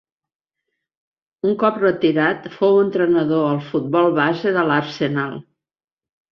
Un cop retirat fou entrenador al futbol base de l'Arsenal.